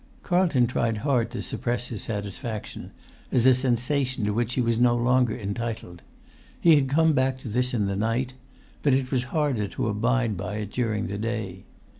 Carlton tried hard to suppress his satisfaction, as a sensation to which he was no longer entitled. He had come back to this in the night; but it was harder to abide by it during the day.